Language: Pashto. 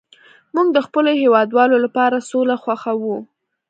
موږ د خپلو هیوادوالو لپاره سوله خوښوو